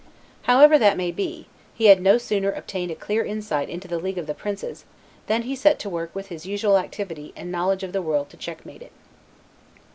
However that may be, he had no sooner obtained a clear insight into the league of the princes than he set to work with his usual activity and knowledge of the world to checkmate it.